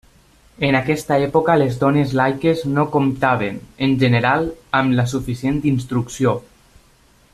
En aquesta època les dones laiques no comptaven, en general, amb la suficient instrucció.